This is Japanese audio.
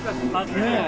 ねえ。